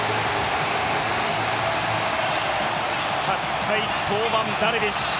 ８回登板、ダルビッシュ。